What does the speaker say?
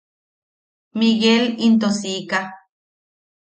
Miguel into siika.